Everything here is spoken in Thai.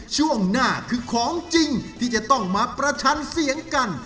ช่วงหน้าคือของจริงที่จะต้องมาประชันเสียงกัน